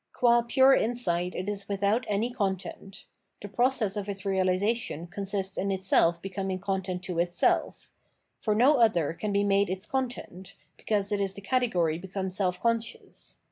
Qua puce insight it is without any content ; the process of its realisation consists in itself becoming content to itself ; for no other can be made its content, because it is the category become self conscious.